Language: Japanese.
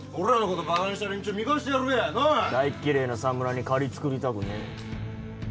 大っ嫌えな侍に借り作りたくねえ。